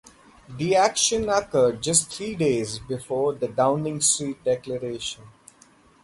The action occurred just three days before the Downing Street Declaration.